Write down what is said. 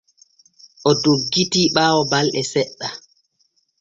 O doggiti ɓaawo balɗe seɗɗa.